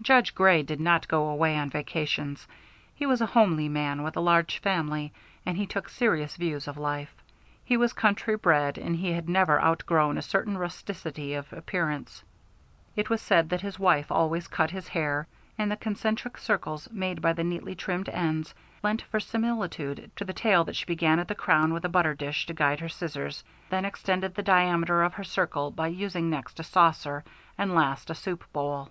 Judge Grey did not go away on vacations. He was a homely man, with a large family, and he took serious views of life. He was country bred, and he had never outgrown a certain rusticity of appearance. It was said that his wife always cut his hair, and the concentric circles made by the neatly trimmed ends lent verisimilitude to the tale that she began at the crown with a butter dish to guide her scissors, then extended the diameter of her circle by using next a saucer, and last a soup bowl.